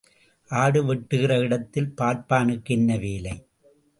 ஆடு வெட்டுகிற இடத்திலே பார்ப்பானுக்கு என்ன வேலை?